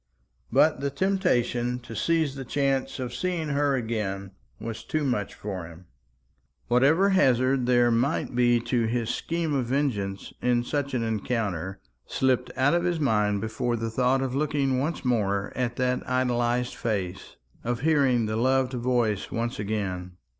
But the temptation to seize the chance of seeing her again was too much for him. Whatever hazard there might be to his scheme of vengeance in such an encounter slipped out of his mind before the thought of looking once more at that idolised face, of hearing the loved voice once again.